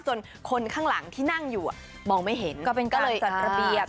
คนข้างหลังที่นั่งอยู่มองไม่เห็นก็เลยจัดระเบียบ